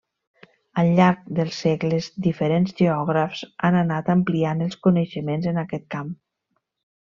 Al llarg dels segles diferents geògrafs han anat ampliant els coneixements en aquest camp.